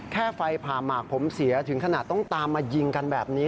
แค่ไฟผ่าหมากผมเสียถึงขนาดต้องตามมายิงกันแบบนี้